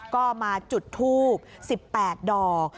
ก็มาจุดทูบ๑๘ดอก